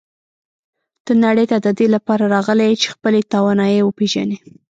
ته نړۍ ته د دې لپاره راغلی یې چې خپلې توانایی وپېژنې.